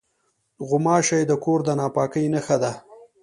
غوماشې د کور د ناپاکۍ نښه دي.